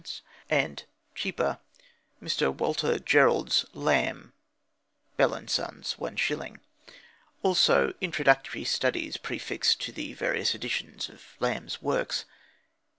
and, cheaper, Mr. Walter Jerrold's Lamb (Bell and Sons, 1s.); also introductory studies prefixed to various editions of Lamb's works.